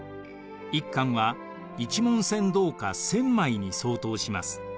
一貫は一文銭銅貨１，０００枚に相当します。